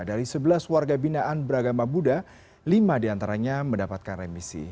dari sebelas warga binaan beragama buddha lima diantaranya mendapatkan remisi